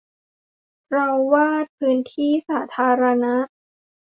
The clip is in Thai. เราวาดพื้นที่สาธารณะ